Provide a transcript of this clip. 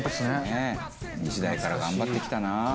ねえ２時台から頑張ってきたな。